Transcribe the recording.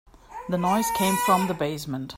The noise came from the basement.